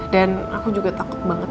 dan aku juga takut banget